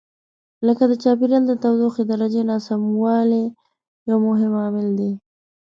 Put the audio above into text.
لکه د چاپېریال د تودوخې درجې ناسموالی یو مهم عامل دی.